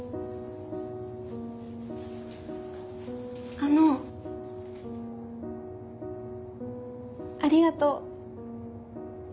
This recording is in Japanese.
あのありがとう。